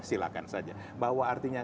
silakan saja bahwa artinya